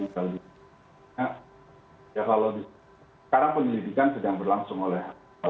kalau sekarang penyelidikan sedang berlangsung oleh